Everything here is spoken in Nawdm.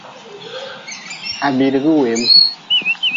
Ha biidigi weem.